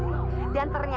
ada apa ini